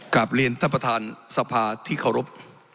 กลับเรียนท่านประธานสภาที่เคารพ